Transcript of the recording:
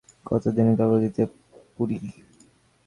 গত দিনের কাগজ দিতে পুরি?